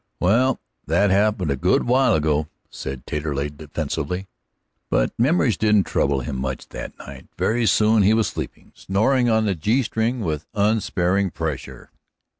"Well, that happened a good while ago," said Taterleg defensively. But memories didn't trouble him much that night. Very soon he was sleeping, snoring on the G string with unsparing pressure.